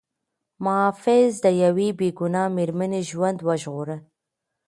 محافظ د یوې بې ګناه مېرمنې ژوند وژغوره.